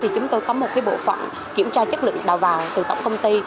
chúng tôi có một bộ phận kiểm tra chất lượng đầu vào từ tổng công ty